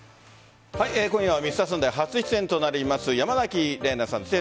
今夜「Ｍｒ．サンデー」初出演となります山崎怜奈さんです。